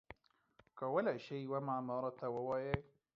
کولای شی یوه معما راته ووایی؟